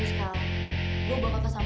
kal kau mau nge save